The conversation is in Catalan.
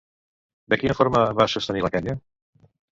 De quina forma va sostenir la canya?